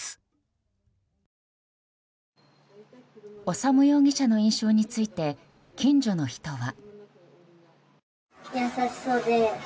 修容疑者の印象について近所の人は。